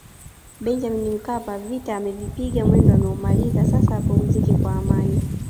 Benjamin Mkapa vita amevipiga mwendo ameumaliza sasa apumzike kwa amani